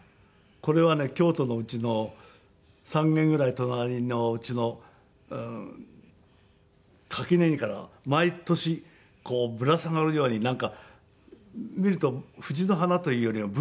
これはね京都の家の３軒ぐらい隣のお家の垣根から毎年こうぶら下がるようになんか見ると藤の花というよりはブドウのように見えるんですね。